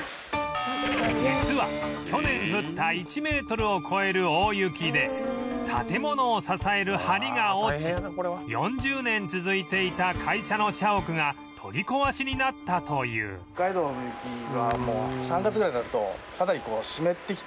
実は去年降った１メートルを超える大雪で建物を支える梁が落ち４０年続いていた会社の社屋が取り壊しになったという